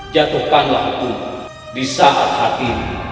jatuhkanlah hukum di saat hati